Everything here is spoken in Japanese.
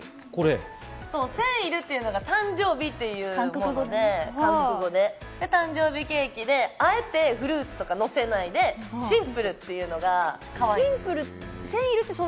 センイルっていうのが、誕生日、韓国語で誕生日ケーキであえてフルーツとかのせないでシンプルっていうのがかわいい。